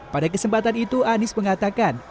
pada kesempatan itu anies mengatakan